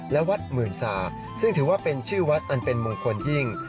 และวัดหมื่นสาซึ่งถือว่าเป็นชื่อวัดอันเป็นมงคลยิ่ง